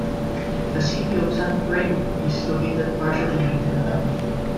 The City of Sun Prairie is located partially within the town.